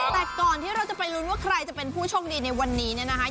แต่ก่อนที่เราจะไปลุ้นว่าใครจะเป็นผู้โชคดีในวันนี้เนี่ยนะคะ